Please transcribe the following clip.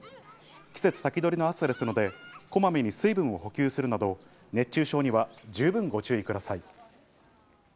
季節先取りの暑さですので、こまめに水分を補給するなど、熱中症には十分ご注意ください。